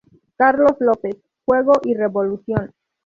Carlos López: ""Juego y revolución.